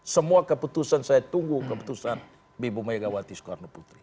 semua keputusan saya tunggu keputusan bi ibu megawati soekarno putri